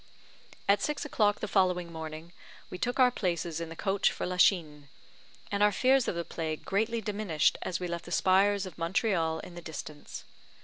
At six o'clock the following morning, we took our places in the coach for Lachine, and our fears of the plague greatly diminished as we left the spires of Montreal in the distance.